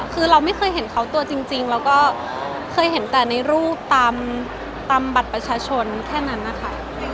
คือเราไม่เคยเห็นเขาตัวจริงแล้วก็เคยเห็นแต่ในรูปตามบัตรประชาชนแค่นั้นนะคะ